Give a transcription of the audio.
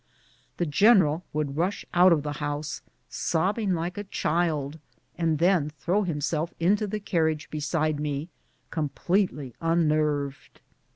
The general would rush out of the house, sobbing like a child, and then throw himself into the carriage beside me completely unnerved.